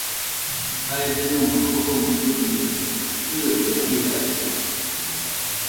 Jae Beno jofomo fɨbidekue tɨrena jirari.